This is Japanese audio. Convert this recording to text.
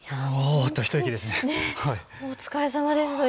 お疲れさまです。